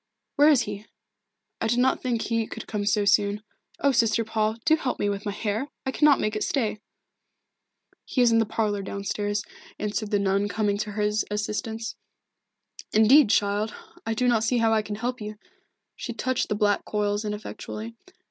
"Where is he? I did not think he could come so soon. Oh, Sister Paul, do help me with my hair! I cannot make it stay." "He is in the parlour, down stairs," answered the nun, coming to her assistance. "Indeed, child, I do not see how I can help you." She touched the black coils ineffectually.